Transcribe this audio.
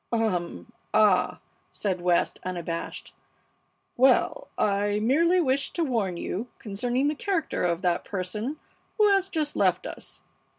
"Um! Ah!" said West, unabashed. "Well, I merely wished to warn you concerning the character of that person who has just left us.